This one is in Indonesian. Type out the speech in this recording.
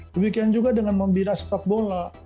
demikian juga dengan membira sepak bola